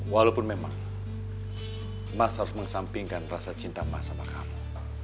walaupun memang emas harus mengesampingkan rasa cinta emas sama kamu